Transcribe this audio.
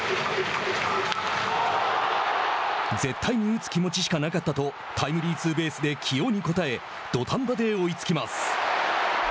絶対に打つ気持ちしかなかったとタイムリーツーベースで起用に応え土壇場で追いつきます。